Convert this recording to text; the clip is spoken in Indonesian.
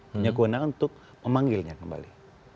punya kewenangan untuk memanggilnya kembali